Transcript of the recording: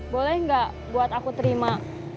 boleh nggak buat aku terima